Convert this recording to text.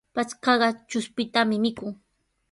Patrkaqa chushpitami mikun.